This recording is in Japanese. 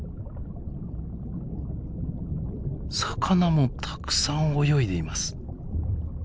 魚もたくさん泳いでいます。